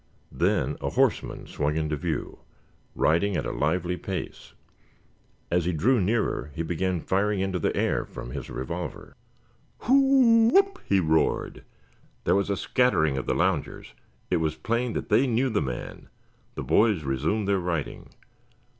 Then a horseman swung into view, riding at a lively pace. As he drew near he began firing into the air from his revolver. "Whoop!" he roared. There was a scattering of the loungers. It was plain that they knew the man. The boys resumed their writing.